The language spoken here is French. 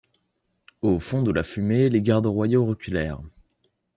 Au fond de la fumée, les gardes royaux reculèrent.